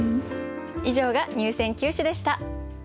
以上が入選九首でした。